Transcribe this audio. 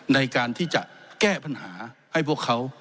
ในการที่จะแก้ปัญหาให้พวกเขา